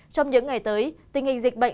trong những ngày tới tình hình dịch bệnh sẽ diễn ra